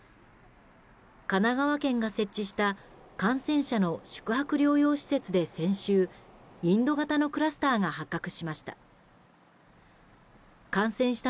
神奈川県が設置した感染者の宿泊療養施設で先週インド型のクラスターが発覚しました。